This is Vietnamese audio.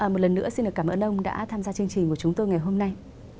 một lần nữa xin cảm ơn ông đã tham gia chương trình của chúng tôi ngày hôm nay